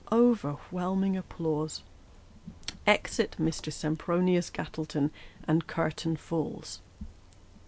Overwhelming applause. Exit Mr. Sempronius Gattleton, and curtain falls.